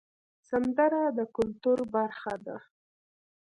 سندره د کلتور برخه ده